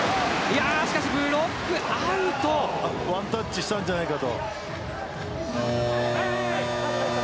ワンタッチしたんじゃないかと。